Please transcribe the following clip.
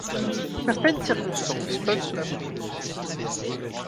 Certaines circonstances peuvent se produire…